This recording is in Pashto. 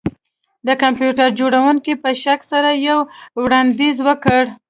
د کمپیوټر جوړونکي په شک سره یو وړاندیز وکړ